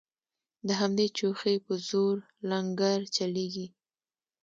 د همدې چوخې په زور لنګرچلیږي